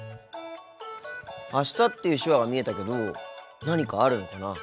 「あした」っていう手話が見えたけど何かあるのかな？